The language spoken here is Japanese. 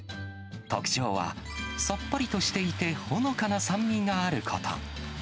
特徴は、さっぱりとしていてほのかな酸味があること。